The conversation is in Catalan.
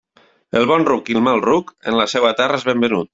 El bon ruc i el mal ruc, en la seua terra és ben venut.